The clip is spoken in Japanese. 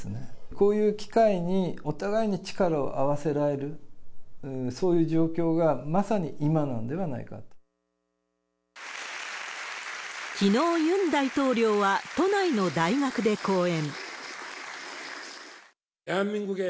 こういう機会に、お互いに力を合わせられる、そういう状況がまさに今なんではないきのう、ユン大統領は都内の大学で講演。